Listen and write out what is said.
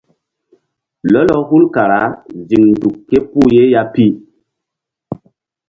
Lɔlɔ hul kara ziŋ nzuk ké puh ye ya pi.